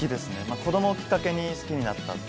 子供をきっかけに好きになった。